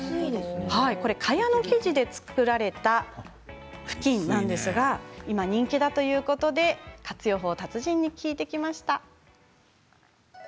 これは蚊帳の生地で作られたふきんなんですが今、人気だということで活用法を達人に聞いてきました。